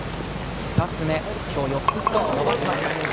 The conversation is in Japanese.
久常、今日４つスコアを伸ばしました。